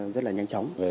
gần nhà này cấp về